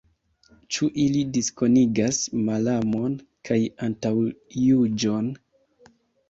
Ĉu ili diskonigas malamon kaj antaŭjuĝon?